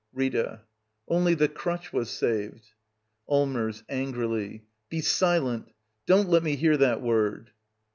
Rita. Only the crutch was saved. Allmers. [Angrily.] Be silent 1 Don't let me hear that word